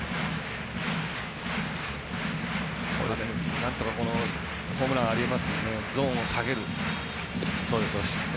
なんとかホームランありえますのでゾーンを下げる。